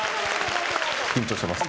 緊張してます。